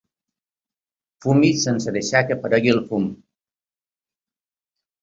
Fumis sense deixar que aparegui el fum.